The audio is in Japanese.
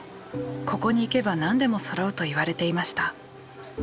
ここに行けば何でもそろうといわれていました。